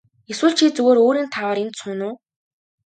Эсвэл чи зүгээр өөрийн тааваар энд сууна уу.